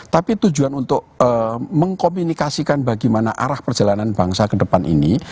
tapi tujuan untuk mengkomunikasikan bagaimana arah perjalanan bangsa ke depan ini